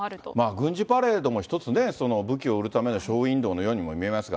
軍事パレードも一つね、武器を売るためのショーウインドーのようにも見えますが。